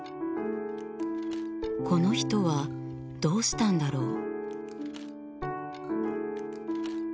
この人はどうしたんだろう？